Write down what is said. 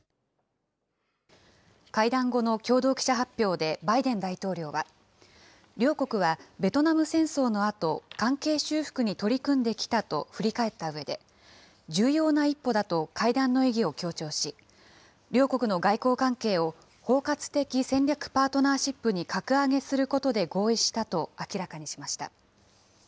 会談後の共同記者発表でバイデン大統領は、両国はベトナム戦争のあと、関係修復に取り組んできたと振り返ったうえで、重要な一歩だと会談の意義を強調し、両国の外交関係を、包括的戦略パートナーシップに格上げすることで合意したと明らかにしました。